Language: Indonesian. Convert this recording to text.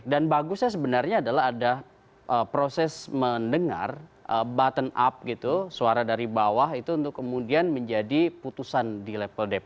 dan bagusnya sebenarnya adalah ada proses mendengar button up gitu suara dari bawah itu untuk kemudian menjadi putusan di level dpp